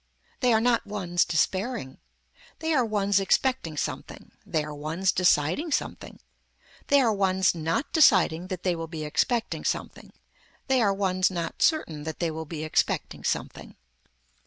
They are not ones despairing. They are ones expecting something. They are ones deciding something. They are ones not deciding that they will be expecting something. They are ones not certain that they will be expecting something.